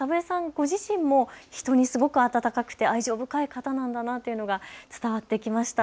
ご自身も人に優しくて温かい方なんだなっていうのが伝わってきました。